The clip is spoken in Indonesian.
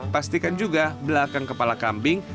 pastikan juga belakang kepala kambing